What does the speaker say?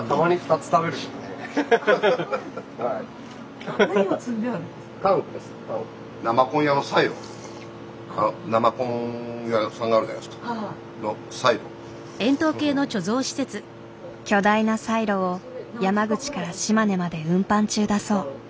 巨大なサイロを山口から島根まで運搬中だそう。